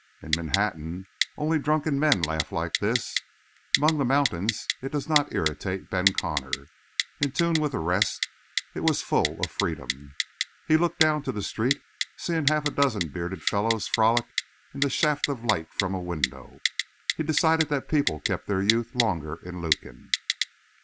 In Manhattan only drunken men laughed like this. Among the mountains it did not irritate Ben Connor; in tune with the rest, it was full of freedom. He looked down to the street, and seeing half a dozen bearded fellows frolic in the shaft of light from a window, he decided that people kept their youth longer in Lukin.